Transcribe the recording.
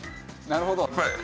なるほどね。